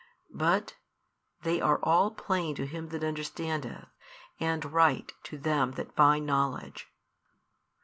But they are all plain to him that understandeth, and right to them that find knowledge.